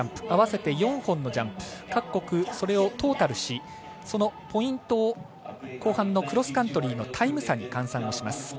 合わせて４本のジャンプ各国、それをトータルしそのポイントを後半のクロスカントリーのタイム差に換算します。